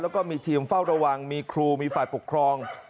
แล้วก็มีทีมเฝ้าระวังมีครูมีฝ่ายปกครอง